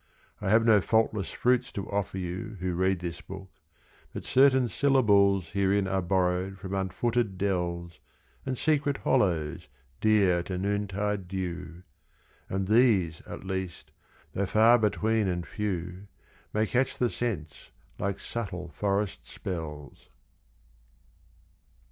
I have no faultless fruits to offer you Who read this book; but certain syllables Herein are borrowed from unfooted dells And secret hollows dear to noontide dew; And these at least, though far between and few, May catch the sense like subtle forest spells.